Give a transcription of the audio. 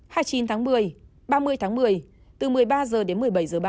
một mươi h ba mươi tháng một mươi từ một mươi ba h đến một mươi bảy h ba mươi